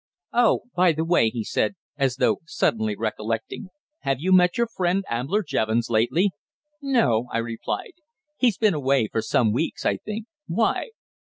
"Oh, by the way!" he said, as though suddenly recollecting. "Have you met your friend Ambler Jevons lately?" "No," I replied. "He's been away for some weeks, I think. Why?"